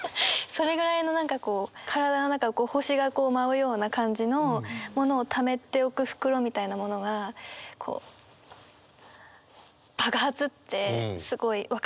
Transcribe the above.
それぐらいの何かこう体の中を星が舞うような感じのものをためておく袋みたいなものがこう爆発ってすごい分かるなって思いました。